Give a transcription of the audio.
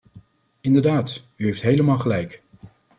Inderdaad, u heeft helemaal gelijk.